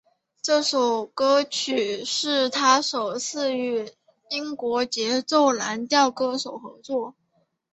这首歌曲是他首次与英国节奏蓝调歌手合作。